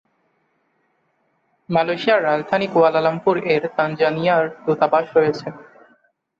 মালয়েশিয়ার রাজধানী কুয়ালালামপুর এ তানজানিয়ার দূতাবাস রয়েছে।